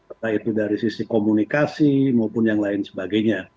entah itu dari sisi komunikasi maupun yang lain sebagainya